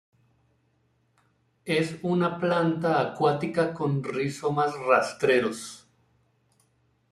Es una planta acuática con rizomas rastreros.